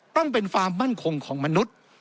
ต้องเป็นความมั่นคงของมนุษย์